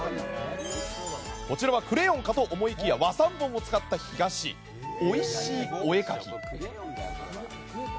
こちらはクレヨンかと思いきや和三盆を使った干菓子おいしいおえかき。